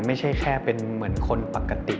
ไม่ใช่แค่เป็นเหมือนคนปกติ